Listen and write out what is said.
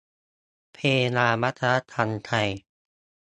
เพดานวัฒนธรรมไทย